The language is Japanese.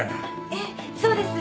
ええそうです。